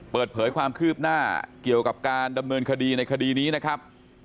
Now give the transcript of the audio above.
เปิดเผยความคืบหน้าเกี่ยวกับการดำเนินคดีในคดีนี้นะครับ